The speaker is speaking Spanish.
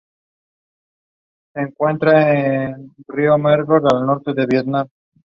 De todos modos, nada sucedía al reiniciar.